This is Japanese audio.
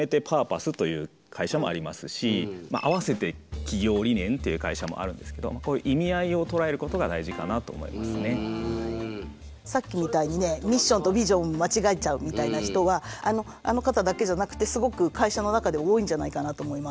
合わせて企業理念という会社もあるんですけどさっきみたいにねミッションとビジョン間違えちゃうみたいな人はあの方だけじゃなくてすごく会社の中で多いんじゃないかなと思います。